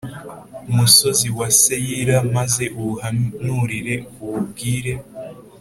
Musozi wa seyiri maze uwuhanurire uwubwire